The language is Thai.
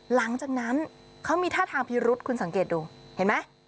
หลังจากนั้นเขามีท่าทางพิรุษคุณสังเกตดูเห็นไหม